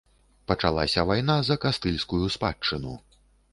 Пачалася вайна за кастыльскую спадчыну.